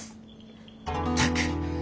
ったく。